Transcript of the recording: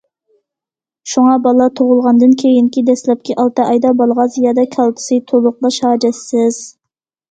شۇڭا بالا تۇغۇلغاندىن كېيىنكى دەسلەپكى ئالتە ئايدا بالىغا زىيادە كالتسىي تولۇقلاش ھاجەتسىز.